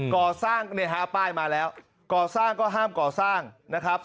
ก่อสร้างเนี่ยฮะป้ายมาแล้วก่อสร้างก็ห้ามก่อสร้างนะครับ